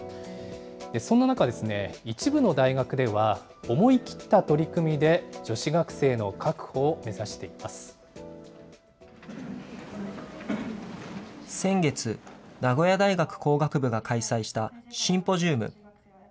そんな中、一部の大学では、思い切った取り組みで、女子学生の確先月、名古屋大学工学部が開催したシンポジウム。